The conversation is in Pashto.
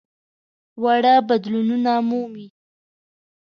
واړه بدلونونه مومي.